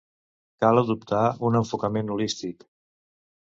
Cal adoptar un enfocament holístic.